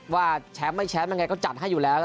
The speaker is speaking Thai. ว่าแชมป์ไม่แชมป์ยังไงก็จัดให้อยู่แล้ว